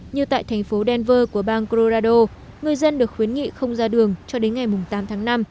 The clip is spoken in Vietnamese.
như tại thành phố delver của bang colorado người dân được khuyến nghị không ra đường cho đến ngày tám tháng năm